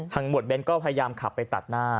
หมวดเบ้นก็พยายามขับไปตัดหน้า